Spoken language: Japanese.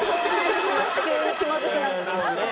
急に気まずくなった。